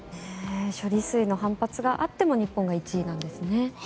処理水の反発があっても日本が１位なんですね。